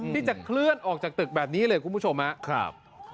ที่จะเคลื่อนออกจากตึกแบบนี้เลยคุณผู้ชมครับ